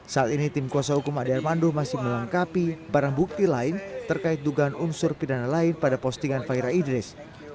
saat ini tim kuasa hukum ade armando masih melengkapi barang bukti lain terkait dugaan unsur pidana lain pada postingan fahira idris